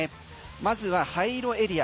まずは灰色エリア